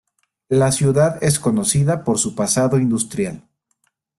La ciudad es conocida por su pasado industrial.